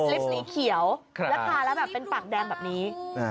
ลิปนี้เขียวและพาแล้วเป็นปากแดงแบบนี้